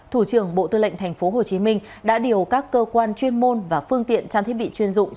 thủ trưởng bộ tư lệnh tp hcm đã điều các cơ quan chuyên môn và phương tiện trang thiết bị chuyên dụng